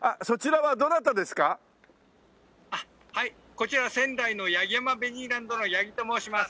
こちら仙台の八木山ベニーランドの八木と申します」